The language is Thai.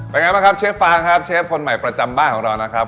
เป็นไงบ้างครับเชฟฟางครับเชฟคนใหม่ประจำบ้านของเรานะครับ